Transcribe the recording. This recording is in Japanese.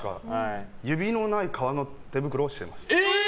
指のない皮の手袋をしてます。